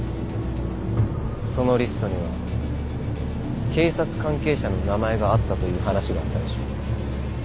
そのリストには警察関係者の名前があったという話があったらしい。